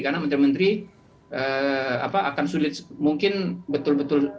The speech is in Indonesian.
karena menteri menteri akan sulit mungkin betul betul